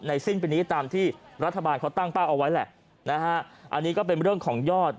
สิ้นปีนี้ตามที่รัฐบาลเขาตั้งเป้าเอาไว้แหละนะฮะอันนี้ก็เป็นเรื่องของยอด